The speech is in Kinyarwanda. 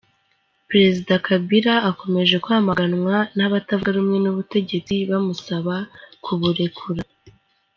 Perezida Kabila akomeje kwamaganwa n’abatavuga rumwe n’ubutegetsi bamusaba kuburekura.